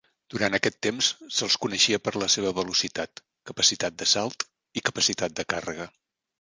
Durant aquest temps, se'ls coneixia per la seva velocitat, capacitat de salt i capacitat de càrrega.